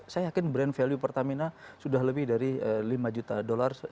saya yakin brand value pertamina sudah lebih dari lima juta dolar